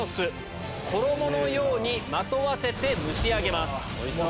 衣のようにまとわせて蒸し上げます。